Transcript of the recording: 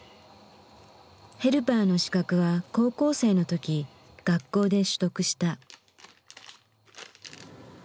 ヘルパーの資格は高校生の時学校で取得した。